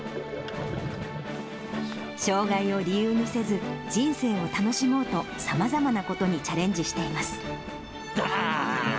障がいを理由にせず、人生を楽しもうとさまざまなことにチャレンジしています。